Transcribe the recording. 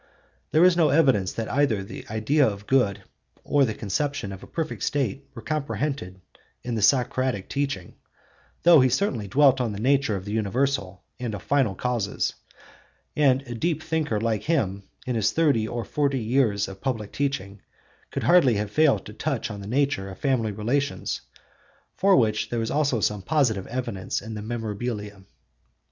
There is no evidence that either the idea of good or the conception of a perfect state were comprehended in the Socratic teaching, though he certainly dwelt on the nature of the universal and of final causes (cp. Xen. Mem.; Phaedo); and a deep thinker like him, in his thirty or forty years of public teaching, could hardly have failed to touch on the nature of family relations, for which there is also some positive evidence in the Memorabilia (Mem.)